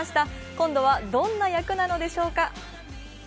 今度はどんな役なのでしょうか？